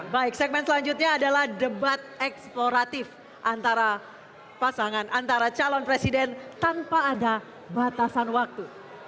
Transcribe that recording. baik segmen selanjutnya adalah debat eksploratif antara pasangan antara calon presiden tanpa ada batasan waktu